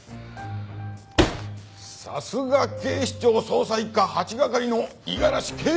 さすが警視庁捜査一課８係の五十嵐刑事！